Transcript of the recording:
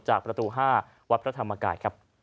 จากประตุภาพวับพระธรรมกาย